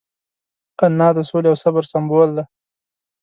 انا د سولې او صبر سمبول ده